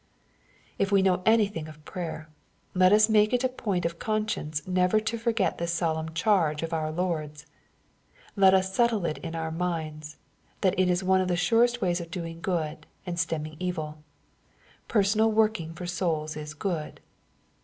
If we know anything of prayer, let us make it a point of conscience never to forget this solemn charge of our Lord's. Let us settle it in our minds, that it is one of the surest ways of doing good, and stemming evil. Personal working for souls is good.